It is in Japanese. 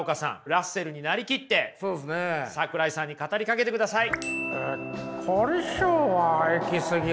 ラッセルに成りきって桜井さんに語りかけてください。